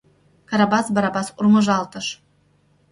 Карабас Барабас урмыжалтыш: